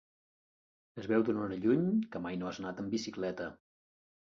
Es veu d'una hora lluny que mai no has anat amb bicicleta.